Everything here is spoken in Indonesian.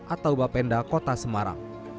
atau bapenda kota semarang